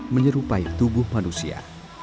menyerupai tubuh manusia